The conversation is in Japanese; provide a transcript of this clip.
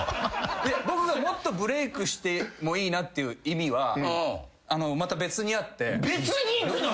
僕がもっとブレークしてもいいなっていう意味は別にあって。